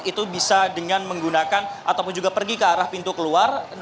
itu bisa dengan menggunakan ataupun juga pergi ke arah pintu keluar